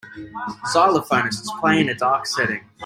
Xylophonists play in a dark setting.